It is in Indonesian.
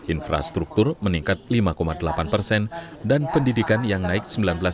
infrastruktur meningkat lima delapan persen dan pendidikan yang naik sembilan belas